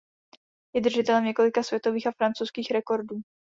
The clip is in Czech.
Je držitelem několika světových a francouzských rekordů.